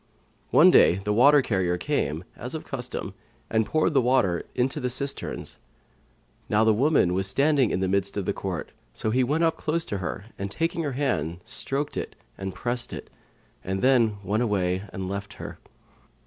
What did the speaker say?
One day the water carrier came, as of custom, and poured the water into the cisterns. Now the woman was standing in the midst of the court; so he went close up to her and taking her hand, stroked it and pressed it, then went away and left her.